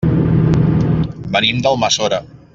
Venim d'Almassora.